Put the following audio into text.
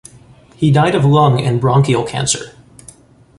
He died of lung and bronchial cancer.